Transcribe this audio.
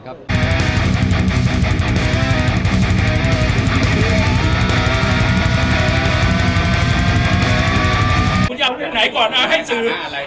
คุณอย่าลืมไหนก่อนเอาให้สื่อ